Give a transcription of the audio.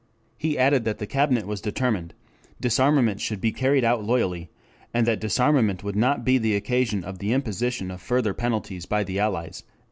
He added that the Cabinet was determined disarmament should be carried out loyally and that disarmament would not be the occasion of the imposition of further penalties by the Allies."